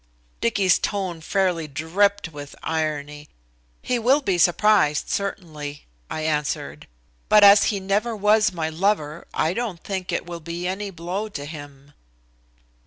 Dicky's tone fairly dripped with irony. "He will be surprised certainly," I answered, "but as he never was my lover, I don't think it will be any blow to him."